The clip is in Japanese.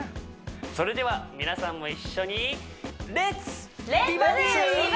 それでは皆さんも一緒に「レッツ！美バディ」